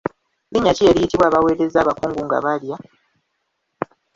Linnya ki eriyitibwa abaweereza abakungu nga balya?